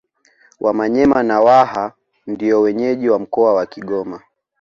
Wamanyema na Waha ndio wenyeji wa mkoa wa Kigoma